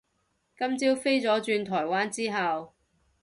今朝飛咗轉台灣之後